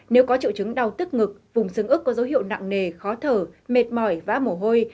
nếu có triệu chứng đau tức ngực vùng xương ức có dấu hiệu nặng nề khó thở mệt mỏi vã mổ hôi